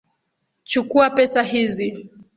Chukua pesa hizi.